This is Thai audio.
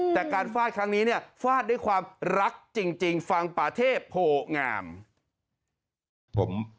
แต่การฟาดครั้งนี้เนี่ยฟาดด้วยความรักจริงฟังป่าเทพโพงาม